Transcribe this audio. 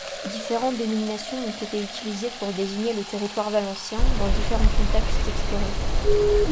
Différentes dénominations ont été utilisées pour désigner le territoire valencien, dans différents contextes historiques.